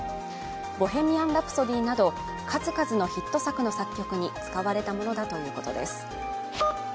「ボヘミアン・ラプソディ」など数々のヒット作の作曲に使われたものだということです。